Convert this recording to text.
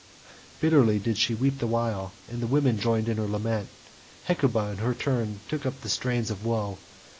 Bitterly did she weep the while, and the women joined in her lament. Hecuba in her turn took up the strains of woe.